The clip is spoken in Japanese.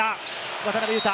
渡邊雄太。